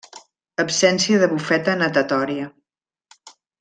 Absència de bufeta natatòria.